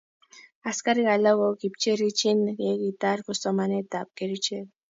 askarik alak ko ki kipkerichin che kitar somanetab kerchek